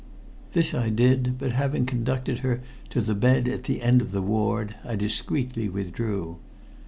This I did, but having conducted her to the bed at the end of the ward I discreetly withdrew.